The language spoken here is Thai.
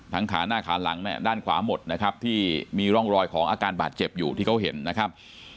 ขาหน้าขาหลังด้านขวาหมดนะครับที่มีร่องรอยของอาการบาดเจ็บอยู่ที่เขาเห็นนะครับ